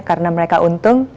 karena mereka untung